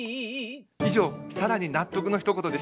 以上「さらに納得のひと言！」でした。